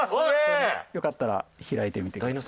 よかったら開いてみてください。